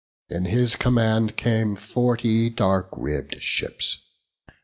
In his command came forty dark ribb'd ships.